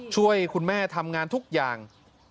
ช่วยคุณแม่ทำงานทุกอย่าง